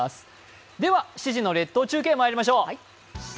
７時の列島中継まいりましょう。